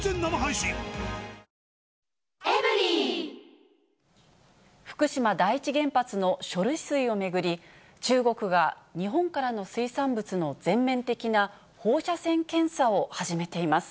東京海上日動福島第一原発の処理水を巡り、中国が日本からの水産物の全面的な放射線検査を始めています。